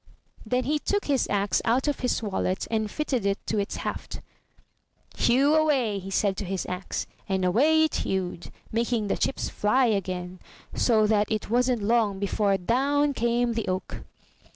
Then he took his axe out of his ^wallet and fitted it to its haft. "Hew away!" said he to his axe; and away it hewed, making the chips fly again, so that it wasn't long before down came the oak.